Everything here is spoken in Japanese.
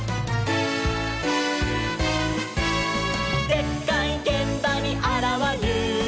「でっかいげんばにあらわる！」